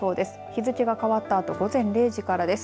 日付が変わったあと午前０時からです。